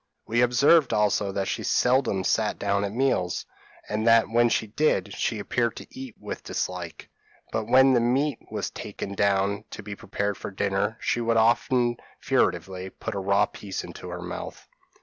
We observed also that she seldom sat down to meals, and that when she did she appeared to eat with dislike; but when the meat was taken down to be prepared for dinner, she would often furtively put a raw piece into her mouth.